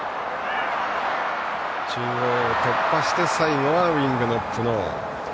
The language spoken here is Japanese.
中央を突破して最後はウイングのプノー。